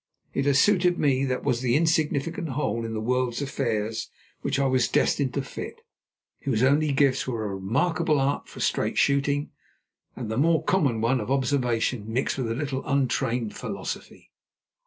It has suited me; that was the insignificant hole in the world's affairs which I was destined to fit, whose only gifts were a remarkable art of straight shooting and the more common one of observation mixed with a little untrained philosophy.